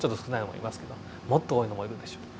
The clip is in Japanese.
もっと多いのもいるでしょう。